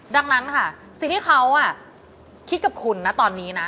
ดังนั้นค่ะสิ่งที่เขาคิดกับคุณนะตอนนี้นะ